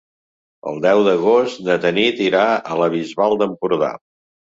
El deu d'agost na Tanit irà a la Bisbal d'Empordà.